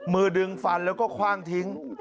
มือดึงฟันแล้วก็คว่างทิ้ง